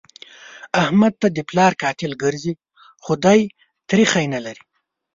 احمد ته د پلار قاتل ګرځي؛ خو دی تريخی نه لري.